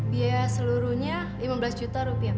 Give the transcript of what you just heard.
biaya seluruhnya lima belas juta rupiah